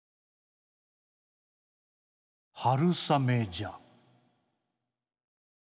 「春雨じゃ」。